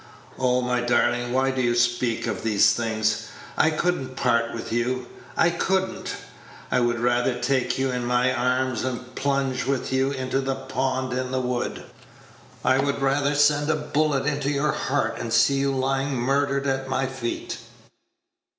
Oh, my darling, why do you speak of these things? I could n't part with you I could n't. I would rather take you in my arms and plunge with you into the pond in the wood; I would rather send a bullet into your heart, and see you lying murdered at my feet."